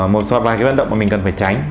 một số vài cái vận động mà mình cần phải tránh